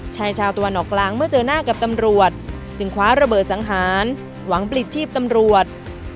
ชายชาวตะวันออกกลางเมื่อเจอหน้ากับตำรวจจึงคว้าระเบิดสังหารหวังปลิดชีพตำรวจ